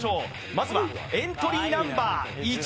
まずはエントリーナンバー１。